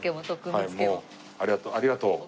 ありがとう。